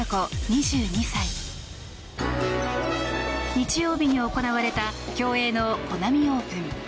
日曜日に行われた競泳のコナミオープン。